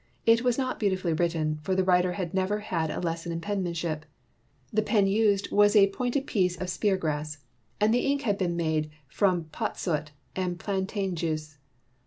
It was not beautifully written, for the writer had never had a lesson in penmanship. The pen used was a pointed piece of spear grass and the ink had been made from pot soot and plan tain juice.